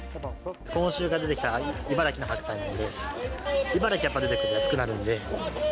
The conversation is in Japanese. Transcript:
今週から出てきた茨城の白菜なんで、茨城、やっぱ出てくると安くなるんで。